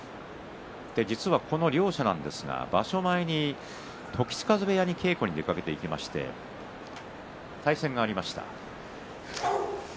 この両者なんですが場所前に時津風部屋に出稽古に行きまして対戦がありました。